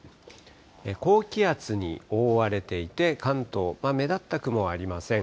高気圧に覆われていて、関東、目立った雲はありません。